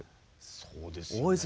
そうですよね